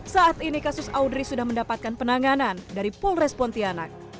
saat ini kasus audrey sudah mendapatkan penanganan dari polres pontianak